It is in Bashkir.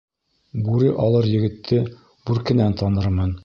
Бүре алыр егетте бүркенән танырмын.